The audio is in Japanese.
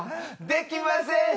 できません。